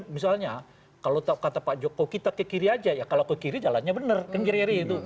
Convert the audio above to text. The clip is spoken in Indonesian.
misalnya kalau kata pak joko kita ke kiri aja ya kalau ke kiri jalannya benar kan kiri itu